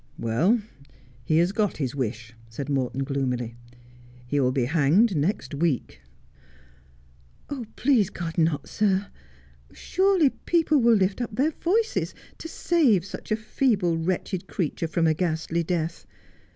' Well, he has got his wish,' said Morton gloomily. ' He will be hanged next week.' ' Oh, please God not, sir. Surely people will lift up their voices to save such a feeble, wretched creature from a ghastly death.